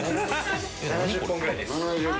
７０本ぐらいです。